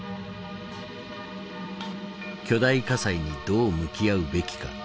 巨大火災にどう向き合うべきか。